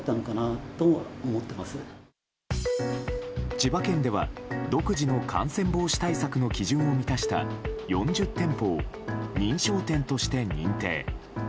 千葉県では独自の感染防止対策の基準を満たした４０店舗を認証店として認定。